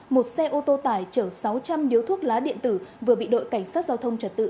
một xe ô tô tải chở sáu trăm linh điếu thuốc lá điện tử vừa bị đội cảnh sát giao thông trật tự